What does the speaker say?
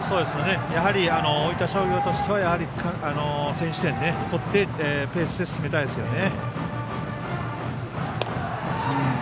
やはり大分商業としては先取点を取って進めたいですよね。